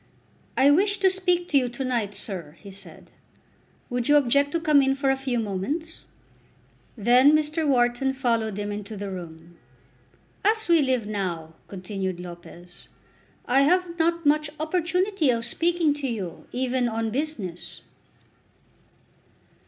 "I wish to speak to you to night, sir," he said. "Would you object to come in for a few moments?" Then Mr. Wharton followed him into the room. "As we live now," continued Lopez, "I have not much opportunity of speaking to you, even on business."